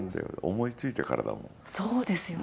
思いついてからだもん。